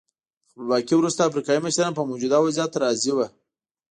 تر خپلواکۍ وروسته افریقایي مشران په موجوده وضعیت راضي وو.